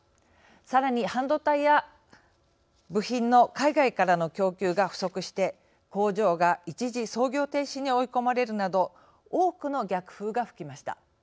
さらに半導体や部品の海外からの供給が不足して工場が一時操業停止に追い込まれるなど多くの逆風が吹きました。